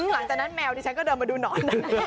หลังจากนั้นแมวนี่ฉันก็เดินมาดูหนอน